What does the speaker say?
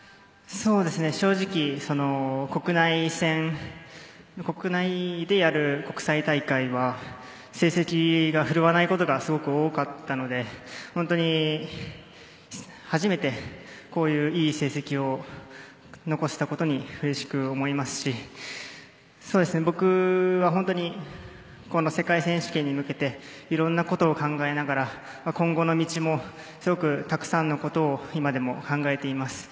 正直国内でやる国際大会は成績が振るわないことがすごく多かったので初めてこういういい成績を残せたことにうれしく思いますし僕はこの世界選手権に向けていろんなことを考えながら今後の道もすごくたくさんのことを今でも考えています。